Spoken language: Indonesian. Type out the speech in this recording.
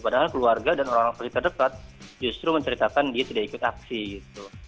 padahal keluarga dan orang orang terdekat justru menceritakan dia tidak ikut aksi gitu